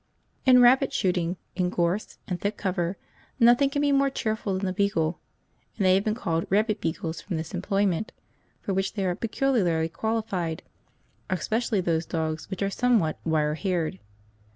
In rabbit shooting, in gorse and thick cover, nothing can be more cheerful than the beagle; and they have been called rabbit beagles from this employment, for which they are peculiarly qualified, especially those dogs which are somewhat wire haired.